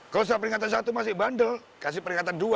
kalau setelah peringatan satu masih bandel kasih peringatan dua